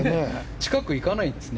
近くに行かないんですね。